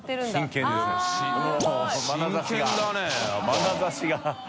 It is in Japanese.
まなざしが！